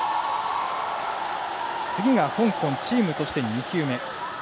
次が香港、チームとして２球目。